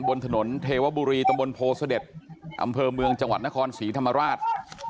บนถนนเทวบุรีตำบลโพเสด็จอำเภอเมืองจังหวัดนครศรีธรรมราช